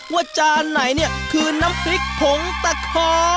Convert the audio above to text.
จานไหนเนี่ยคือน้ำพริกผงตะคอ